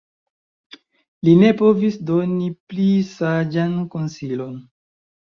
Li ne povis doni pli saĝan konsilon.